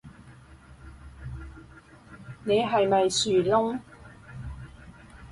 你係咪樹窿